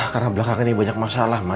karena belakang ini banyak masalah ma